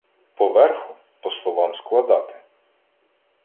Поверху, по словам складати